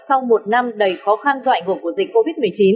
sau một năm đầy khó khăn do ảnh hưởng của dịch covid một mươi chín